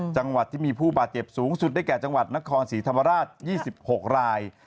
จังหวัดที่มีผู้บาดเจ็บสูงสุดได้แก่จังหวัดนครศรีธรรมราช๒๖ราย